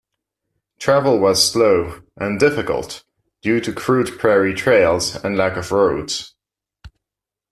Travel was slow and difficult due to crude prairie trails and lack of roads.